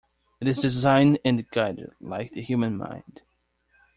It is designed and guided, like the human mind.